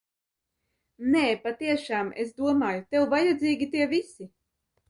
Nē, patiešām, es domāju, tev vajadzīgi tie visi!